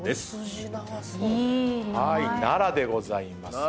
奈良でございます。